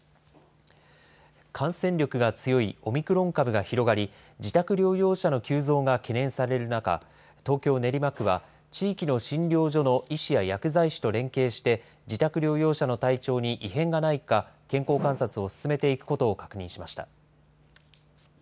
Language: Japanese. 感染力が強いオミクロン株が広がり、自宅療養者の急増が懸念される中、東京・練馬区は地域の診療所の医師や薬剤師と連携して、自宅療養者の体調に異変がないか、健康観察を進めていくことを確認しました。